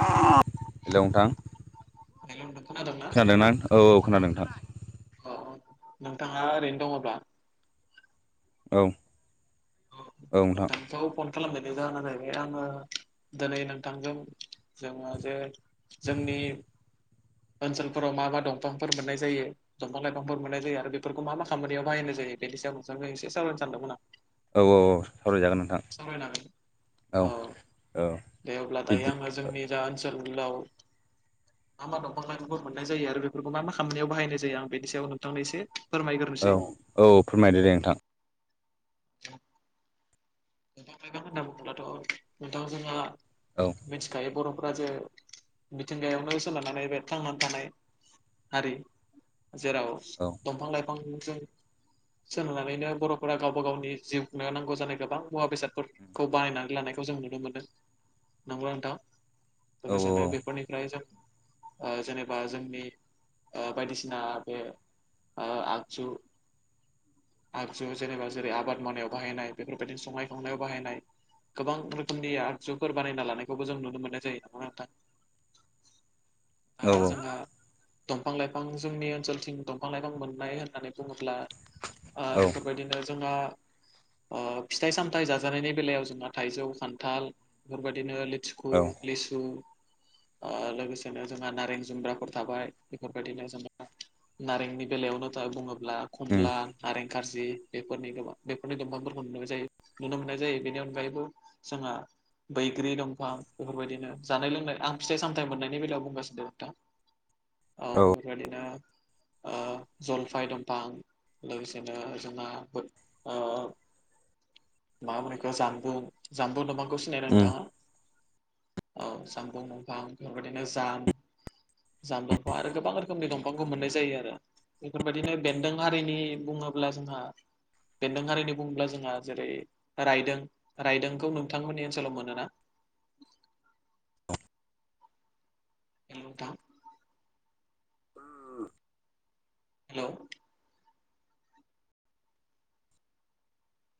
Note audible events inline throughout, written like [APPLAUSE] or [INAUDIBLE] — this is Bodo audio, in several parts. हेलौ नोंथां हेलौ नोंथां खोनादोंना खोनादों आं औ औ खोनादों नोंथां। औ नोंथाङा ओरैनो दङब्ला औ। [UNINTELLIGIBLE] औ नोंथां खालामनायनि जाहोना जाहैबाय आङो दिनै नोंथांजों जोङो जे जोंनि ओनसोलफोराव मा मा दंफांफोर मोननाय जायो। बिफां लाइफांफोर मोननाय जायो आरो बेफोरखौ मा मा खामानियाव बाहायनाय जायो बेनि सायाव नोंखौ एसे सावरायनो सानदोंमोन आं। औ औ औ सावरायजागोन नोंथां। सावरायनांगोन औ औ दे अब्ला दायो बिदि आंङो जोंनि जा ओनसोलाव मा मा दंफां लाइफांफोर मोननाय जायो आरो बेफोरखौ मा मा खालामनायाव बाहायनाय जायो आं बेनि सायाव नोंथांनि एसे फोरमायग्रोनोसै औ औ फोरमायदो दे नोंथां। थां मग होनना बुंङोब्लाथ' नोंथां जोंहा औ। मिथिखायो बर'फोरा जे मिथिंगायावनो सोनारानानै बे थांनानै थानाय हारि जेराव औ दंफां लाइफां गोबां सोलोंनानैनो बर'फोरा गावबा गावनि जिउनो नांगौ जानाय गोबां मुवा बेसादफोरखौ बानायनानै लानायखौ जों नुनो मोन्दों नंगौ नोंथां। औ बेसनाय बेफोरनिफ्राय जों जेनेबा जोंनि बायदिसिना बे आ आगजु आगजु जेनेबा जेरै आबाद मावनायाव बाहायनाय बेफोरबायदिनो संनाय खावनायाव बाहायनाय गोबां रोखोमनि आगजुफोर बानायना लानायखौबो जों नुनो मोननाय जायो नंगौना नोंथां? [INAUDIBLE] औ दा जोंहा दंफां लाइफां जोंनि ओनसोलथिं दंफां लाइफां मोननाय होननानै बुङोब्ला औ बेफोरबायदिनो जोंहा फिथाइ साम हाथाय जाजानायनि बेलायाव जोंहा थाइजौ खान्थाल बेफोरबायदिनो लि हखु औ लिसु लोगोसेनो जोंहा नारें जुमब्राफोर थाबाय बेफोरबायदिनो जोंहा नारेंनि बेलायावनोथा बुंङोबा खनला उम खमला नारें खारजि बेफोरनि गोबां बेफोरनि दंफांफोरखौ नुनाय जायो। नुनो मोननाय जायो बेनि अनगायैबो जोंहा बैग्रि दंफां बेफोरबायदिनो जानाय लोंनाय आं फिथाइ सामथाय मोननायनि बेलायाव बुंगासिनो द दा औ बेफोरबायदिनो। जलफाय दंफां लोगोसेनो जोंना। मा मोनैखौ जानबुं जानबुं नबांखौ सिनायदों उम नोंथांङा औ जामबुं दंफां बेफोरबायदिनो जाम जाम दंफां आरो गोबां रोखोमनि दंफांखौ मोननाय जायो आरो। बेफोरबायदिनो बेन्दों हारिनि बुंङोब्ला जोंहा बेन्दों हारिनि बुंङोब्ला जोंहा। जेरै रायदों रायदोंखौ नोंथांमोननि ओनसोलाव मोन ना हेलौ नोंथां। [INAUDIBLE] हेलौ।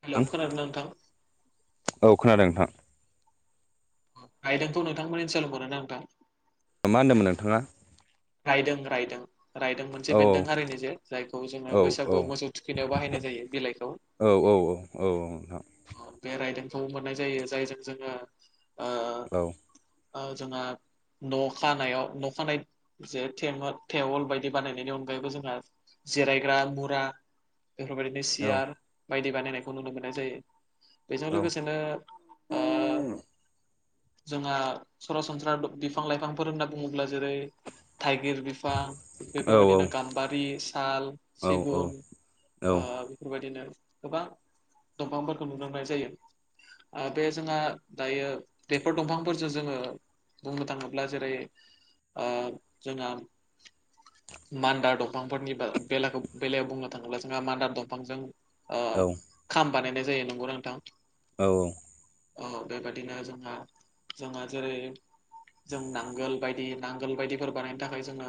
हेलौ खोनादों नोंथां। औ खोनादों नोंथां। गायदोंखौ नोंथांमोननि सायावों मोनरो ना नोंथां मा होनदोंमोन नोंथांङा। रायदों रायदों। रायदों मोनसे औ बेन्दों हारिनि जे जायखौ जोंङो औ औ बैसागुआव मोसौ थुखिनायाव बाहायनाय जायो बिलाइखौ। औ औ औ औ नोंथां। बे राइदोंखौबो मोननाय जायो जायजों जोङो। औ। जोंना न' खानायाव न' खानाय। जे थेवल बायदि बानायनायनि अनगायैबो जोंहा जिरायग्रा मुरा। बेफोरबायदिनो औ सियार बायदि बानायनायखौ नुनो मोननाय जायो। बेजों औ लोगोसेनो ओ जोंहा सरासनस्रा बिफां लाइफांफोर होनना बुंङोब्ला जेरै थाइगिर बिफां औ बेफोरबायदिनो गाम्बारि साल सिगुन बेफोरबायदिनो गोबां दंफांफोरखौ नुनो मोननाय जायो। बे जोंहा दायो बेफोर दंफांफोरजों जोङो। बुंनो थाङोब्ला जेरै जोंहा मान्दार दंफांफोरनि बे बेलायाव बुंनो थाङोब्ला जोंहा मान्दार दंफांजों खाम बानायनाय जायो नंगौ नोंथां? औ औ। बेबादिनो जोंहा जोंहा जेरै जों नांगोल बायदि नांगोल बायदिफोर बानायनो थाखाय जोङो।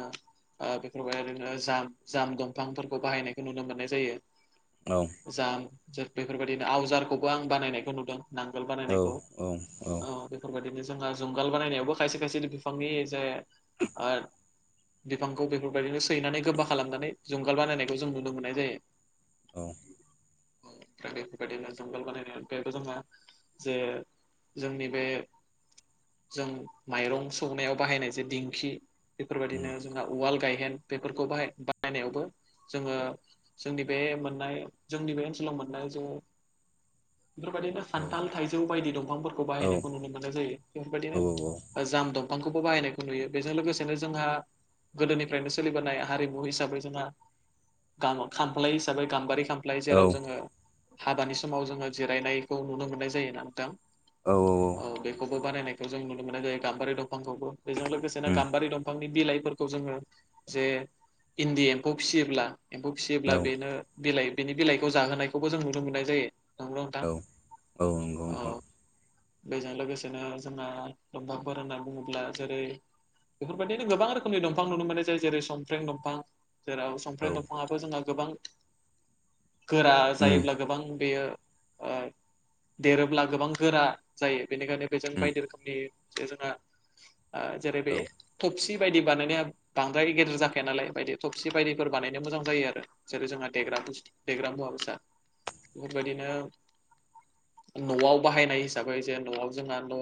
बेफोरबायदि ओरनो ज जाम दंफांफोरखौ बाहायनायखौ नुनो मोननाय जायो। औ। जाम जा बेफोरबायदिनो आवजारखौबो आं बानायनायखौ नुदों नांगोल बानायनायखौ। औ बेफोरबायाददिनो जोंहा जुंगाल बानायनायावबो खायसे खायसे बिफांनि जे ओ बिफांखौ बेफोरबायदिनो सैनानै गोबा खालामनानै जुंगाल बानायनायखौ जों नुनो मोननाय जायो। औ ओमफ्राय बेफोरबादिनो जुंगोल बानायनाय बेबो जङा जे जोंनि बे जों माइरं संनायाव बाहायनाय जे दिंखि बेफोरबायदिनो जोंना उवाल गायहेन बेफोरखौ बाहाय बाहायनायावबो जोङो जोंनि बे मोननाय जोंनि बे ओनसोलाव मोननाय जों बेफोरबायदिनो सान्थाल थाइजौ बायदि दंफांफोरखौ बाहायनायखौ नुनो मोननाय जायो बेफोर बायदिनो औ जाम दंफांखौबो बाहायनायखौ नुयो बेजों लोगोसेनो जोंहा। गोदोनिफ्रायनो सोलिबोनाय हारिमु हिसाबै जोंहा खामफ्लाय हिसाबै गाम्बारि खाम फ्लाइ औ जेराव जोङो हाबानि समाव जोङो जिरायनायखौ नुनो मोननाय जायोना नोंथां। औ औ। औ बेखौबो बानायनायखौ जों नुनो मोनो जायो गाम्बारि दंफांखौबो बेजों लोगोसे उम गाम्बारि दंफां बिलाइफोरखौ जोङो जे इन्दि एम्फौ फिसियोब्ला एम्फौ औ फिसियोब्ला बेनो बिलाइ बिनि बिलाइखौ जाहोनायखौबो जों नुनो मोननाय जायो नंगौना नोंथां औ औ नंगौ औ नोंथां बेजों लोगोसेनो जोंना दंफांफोर होनना बुङोब्ला जेरै बेफोरबायदिनो गोबां रोखोमनि दंफां नुनो मोननाय जाय जेरै संफ्र्रें दंफां जेराव औ संफ्र्रें दंफाङाबो जोंहा गोबां गोरा उम जायोब्ला गोबां बेयो ओ देरोब्ला गोबां गोरा जायो बेनिखायनो बेजों उम बायदि रोखोमनि जोंहा जेरै औ बे थब थबसि बायदि बानायनाया बांद्राय गेदेर जाखाया नालाय बायदि थबसि बायदिफोर बानायनो मोजां जायो आरो जेरै जोंहा देग्रा मुवा बेसाद बेफोरबायदि न'आव बाहायनाय हिसाबै जे न'आव जोंना न'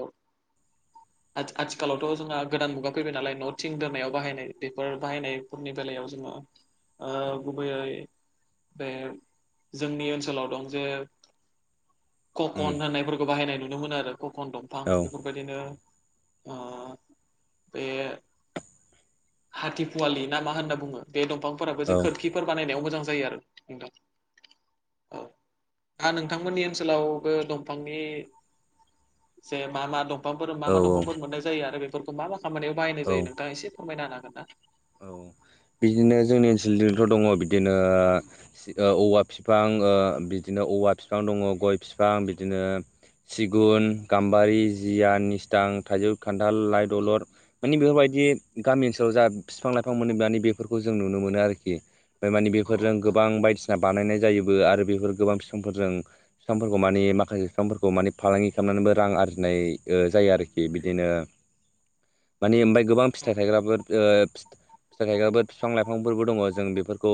[INAUDIBLE] आथिखालावथ जोंहा गोदान मुगा फैबाय नालाय न' थिं दोननायाव बाहायनाय बेफोर बाहायनायफोरनि बेलायाव जोङो गुबैयै बे जोंनि ओनसोलाव दं जे ककन उम होननायफोरखौ बाहायनाय नुनो मोनो आरो ककन दंफां औ बेफोरखौ बेबायदिनो ओ बे हाथिफुवालि ना मा होनना बुङो बे दंफांफोराबो जे खोरखिफोर बानायनायाव मोजां जायो आरो नोंथां आ नोंथांमोननि ओनसोलावबो दंफांनि जे मा मा दं फांफोर औ मा मा औ दंफांफोर मोननाय जायो आरो बेफोरखौ मा मा खामानियाव बाहायनाय औ जायो नोंथाङा एसे फोरमायनो हागोन ना औ बिदिनो जोंनि ओनसोलथिंथ' दङ बिदिनो औवा बिफां बिदिनो औवा बिफां दङ गय बिफां बिदिनो सिगुन गाम्बारि जिया निस्थां थाइजौ खान्थाल लाइ दलर माने बेफोरबायदि गामि ओनसोलाव जा बिफां लाइफां मोनो मानि बेफोरखौ जों नुनो मोनो आरोखि ओमफ्राय माने औ बेफोरजों नोंथां गोबां बायदि बानायनाय जायोबो आरो बेफोर गोबां बिफांफोरजों बिफांफोरखौ माने माखासे बिफांफोरखौ माने फालांगि खालामनानैबो रां आरजिनाय जायो आरोखि बिदिनो [INAUDIBLE] माने ओमफ्राय गोबां फिथाइ थायग्राफोर ओ फिथाइ थायग्राबो फिफां लाइफांफोरबो दङ जों बेफोरखौ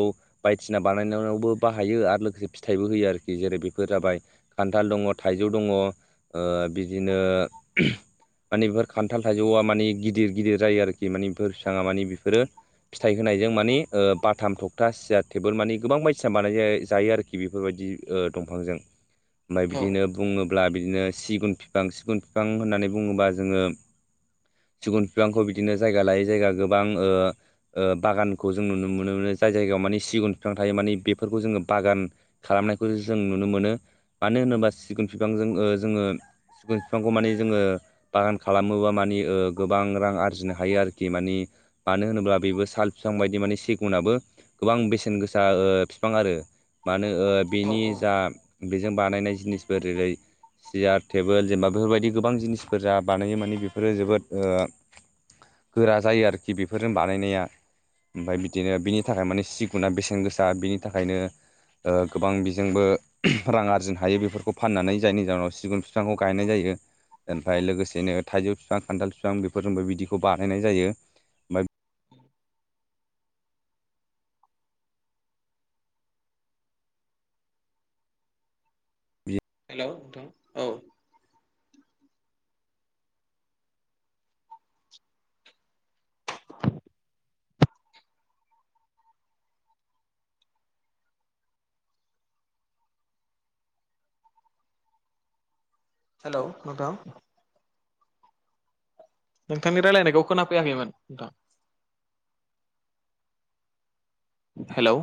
बायदिसिना बानायनायावबो बाहायो आरो लोगोसे फिथाइबो होयो आरोखि जेरै बेफोर जाबाय खान्थाल दङ थाइजौ दङ बिदिनो माने बेफोर खान्थाल थाइजौआ माने गिदिर गिदिर जायो आरोखि माने बेफोर बिफाङा माने बेफोरो फिथाइ होनायजों मानि बाथाम थखथा सियार टेबोल मानि गोबां बायदिसिना बानाय जायो आरो खि बेफोरबायदि दंफांजों [INAUDIBLE] ओमफ्राय बिदिनो बुङोब्ला बिदिनो सिगुन बिफां सिगुन बिफां होननानै बुङोब्ला जोङो सिगुन बिफांखौ बिदिनो जायगा लायै जायगा गोबां ओ ओ बागानखौ जों नुनो मोनो जाय जायगायाव माने सिगुन बिफां थायो माने बेफोरखौ जोङो बागान खालामनायखौ जों नुनो मोनो मानो होनोबा सिगुन बिफांजों जोङो सिगुन बिफांखौ माने जोङो बागान खालामोबा मानि गोबां रां आरजिनो हायो आरोखि मानि मानो होनोब्ला बेबो साल बिफां बायदि माने सिगुनाबो गोबां बेसेन गोसा बिफां आरो मानो ओ औ बेनि औ जा बेजों बानायनाय जिनिसफोर जेरै सियार टेबोल जेनेबा बेफोरबायदि गोबां जिनिसफोर जा बानायो माने बेफोरो जोबोद ओ गोरा जायो आरोखि बेफोरजों बानायनाया ओमफ्राय बिदिनो बिनि औ थाखाय माने सिगुना बेसेन गोसा बिनि थाखायनो गोबां बिजोंबो रां आरजिनो हायो बेफोरखौ फाननानै जायनि जाहोनाव सिगुन बिफांखौ गायनाय जायो ओमफ्राय लोगोसेनो थाइजौ बिफां खान्थाल बिफां बेफोरजोंबो बिदिखौ बानायनाय जायो फ्राय हेलौ नोंथां औ। हेलौ नोंथां। नोंथांनि रायलायनायखौ खोना फैयाखैमोन नोंथां। हेलौ